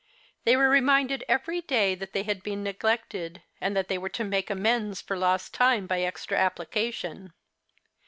They were reminded every day that they had been neglected, and that they were to make amends for lost time by extra application.